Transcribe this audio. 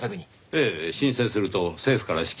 ええ。申請すると政府から支給される。